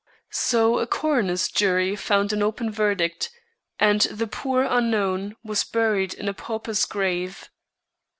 So a coroner's jury found an open verdict, and the poor unknown was buried in a pauper's grave.